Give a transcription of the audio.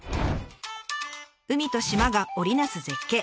海と島が織り成す絶景。